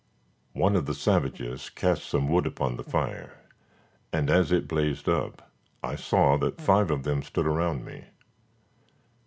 One of the savages cast some wood upon the fire, and as it blazed up, I saw that five of them stood around me.